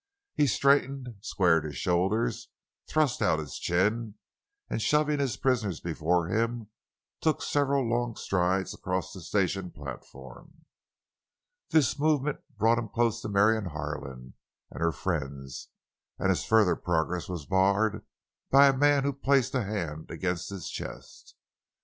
He straightened, squared his shoulders, thrust out his chin, and shoving his prisoners before him, took several long strides across the station platform. This movement brought him close to Marion Harlan and her friends, and his further progress was barred by a man who placed a hand against his chest.